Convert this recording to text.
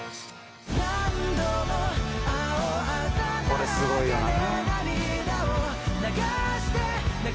「これすごいよな」